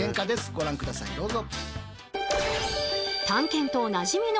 ご覧下さいどうぞ。